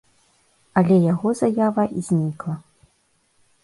Але яго заява знікла.